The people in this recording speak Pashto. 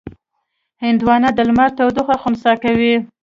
هندوانه د لمر تودوخه خنثی کوي.